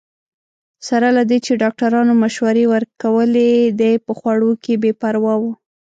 سره له دې چې ډاکټرانو مشورې ورکولې، دی په خوړو کې بې پروا وو.